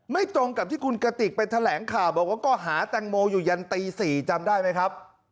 ตรงกับที่คุณกติกไปแถลงข่าวบอกว่าก็หาแตงโมอยู่ยันตี๔จำได้ไหมครับ